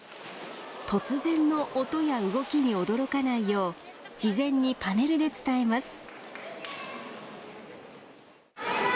突然の音や動きに驚かないよう事前にパネルで伝えます